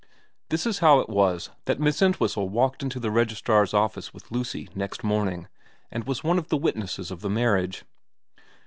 This is how it was that Miss Entwhistle walked into the registrar's office with Lucy next morning and was one of the witnesses of the marriage.